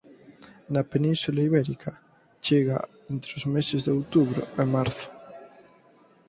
Na península Ibérica chega entre os meses de outubro e marzo.